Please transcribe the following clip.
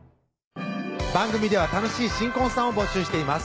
番組では楽しい新婚さんを募集しています